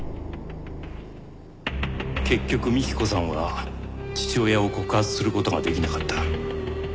結局幹子さんは父親を告発する事が出来なかった。